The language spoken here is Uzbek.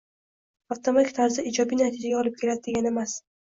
avtomatik tarzda ijobiy natijaga olib keladi degani emas.